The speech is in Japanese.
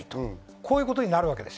そういうことになるわけです。